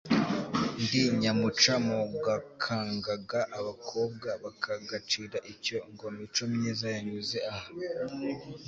ndi nyamuca mu gakangaga abakobwa bakagacira icyo, ngo mico myiza yanyuze aha!